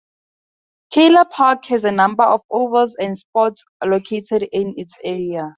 Keilor Park has a number of ovals and sports located in its area.